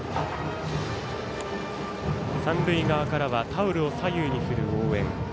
三塁側からはタオルを左右に振る応援。